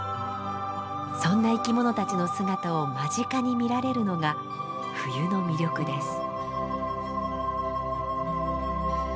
そんな生き物たちの姿を間近に見られるのが冬の魅力です。